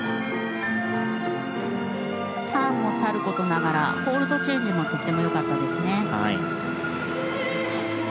ターンもさることながらホールドチェンジもとても良かったですね。